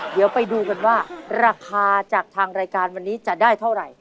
เดี๋ยวไปดูกันว่าราคาจากทางรายการวันนี้จะได้เท่าไหร่